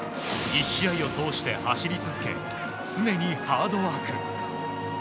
１試合を通して走り続け常にハードワーク。